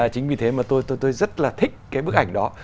chính vì thế mà tôi rất là thích cái bức ảnh đó